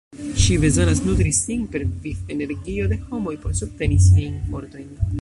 Ŝi bezonas nutri sin per viv-energio de homoj por subteni siajn fortojn.